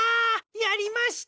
やりました！